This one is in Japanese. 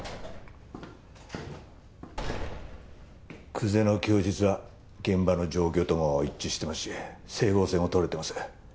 久瀬の供述は現場の状況とも一致してますし整合性もとれています。